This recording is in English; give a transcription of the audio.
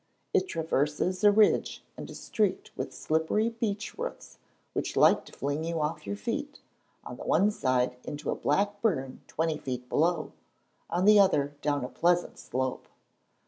It traverses a ridge and is streaked with slippery beech roots which like to fling you off your feet, on the one side into a black burn twenty feet below, on the other down a pleasant slope.